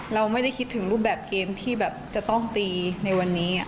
เราไม่ได้คิดถึงรูปแบบเกมที่แบบจะต้องตีในวันนี้